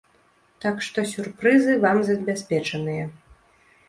Так што сюрпрызы вам забяспечаныя!